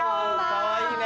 かわいいね。